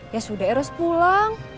ya sudah eros pulang